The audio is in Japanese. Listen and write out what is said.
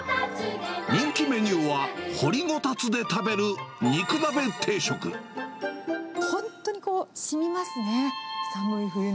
人気メニューは掘りごたつで本当にこう、しみますね。